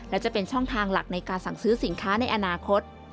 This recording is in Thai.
และจะเป็นช่องทางหลักในการสั่งซื้อสินค้าในอนาคต